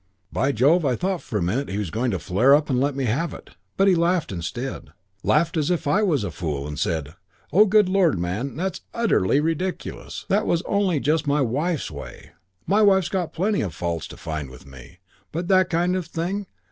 "By Jove, I thought for a minute he was going to flare up and let me have it. But he laughed instead. Laughed as if I was a fool and said, 'Oh, good Lord, man, that's utterly ridiculous. That was only just my wife's way. My wife's got plenty of faults to find with me but that kind of thing!